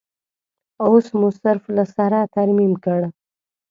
اوس مو صرف له سره ترمیم کړ.